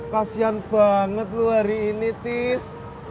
kasian banget loh hari ini tis